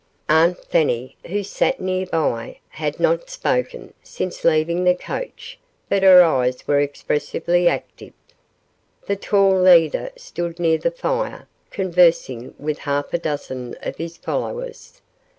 Aunt Fanny, who sat near by, had not spoken since leaving the coach, but her eyes were expressively active. The tall leader stood near the fire, conversing with half a dozen of his followers.